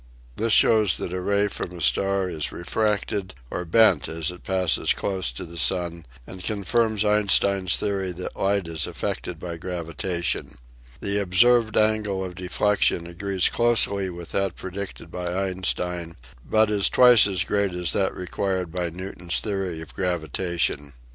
This shows that a ray from a star is refracted or bent as it passes close to the sun and confirms Einstein's theory that light is af fected by gravitation. The observed angle of deflection agrees closely with that predicted by Einstein but is twice as great as that required by Newton's theory of gravitation.